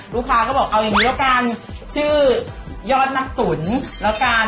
ลูกค้าก็บอกเอาอย่างนี้แล้วก่อน